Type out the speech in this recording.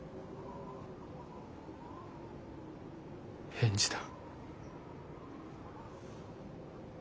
返事だ。